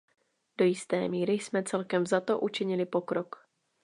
Do jisté míry jsme celkem vzato učinili pokrok.